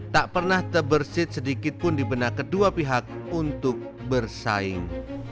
tak pernah terbersih sedikit pun di benak kedua pihak untuk bersaing